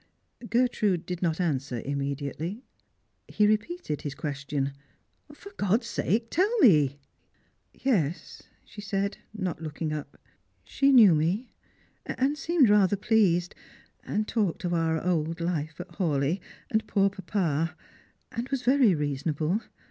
Gertrude did not answer immediately. He repeated his ques tion. " For God's sake tell me !"" Yes," she said, not looking up, " she knew me, and seemed rather pleased, and talked of our old life at Hawleigh, and poor papa, and was very reasonable.